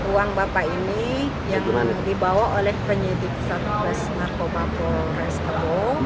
uang bapak ini yang dibawa oleh penyidik satpes narkoba polres tebo